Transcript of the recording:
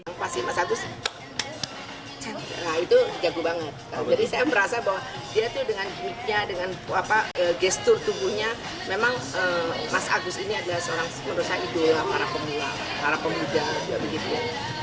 memang mas agus ini adalah seorang merosak idola para pemula para pemuda dan juga begitu